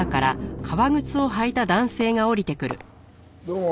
どうも。